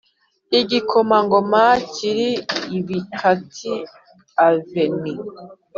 igikomangoma kiri i Bikati‐Aveni,